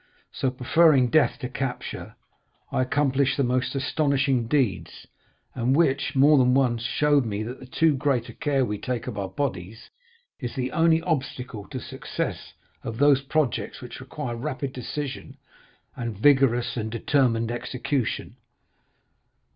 So, preferring death to capture, I accomplished the most astonishing deeds, and which, more than once, showed me that the too great care we take of our bodies is the only obstacle to the success of those projects which require rapid decision, and vigorous and determined execution.